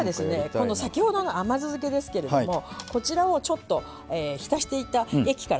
先ほどの甘酢漬けですけれどもこちらを浸していた液から。